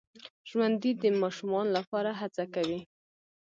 ژوندي د ماشومانو لپاره هڅه کوي